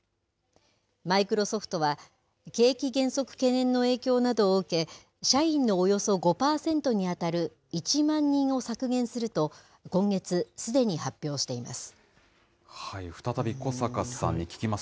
マイクロソフトは、景気減速懸念の影響などを受け、社員のおよそ５％に当たる１万人を削減すると、今月、すでに発表しています。